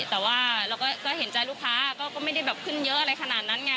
แต่ว่าเราก็เห็นใจลูกค้าก็ไม่ได้แบบขึ้นเยอะอะไรขนาดนั้นไง